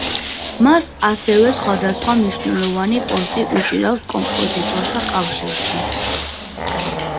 მას ასევე სხვადასხვა მნიშვნელოვანი პოსტი უჭირავს კომპოზიტორთა კავშირში.